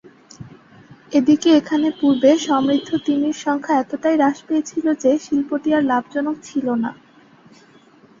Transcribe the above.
এদিকে, এখানে পূর্বে সমৃদ্ধ তিমির সংখ্যা এতটাই হ্রাস পেয়েছিল যে শিল্পটি আর লাভজনক ছিল না।